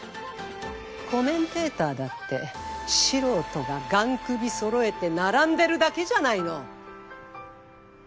コメンテーターだって素人ががん首揃えて並んでるだけじゃないの！